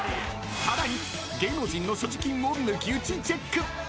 更に、芸能人の所持金を抜き打ちチェック。